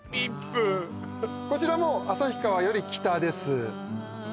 こちらも旭川より北です